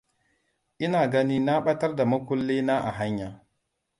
Ina ganin na batar da mukulli na a hanya.